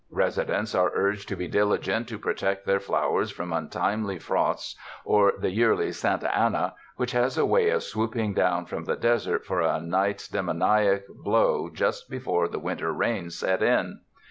Residents are urged to be diligent to protect their flowers from untimely frosts or the yearly "Santa Ana" which has a way of swooping down from the desert for a night's demoniac blow just before the winter rains set in.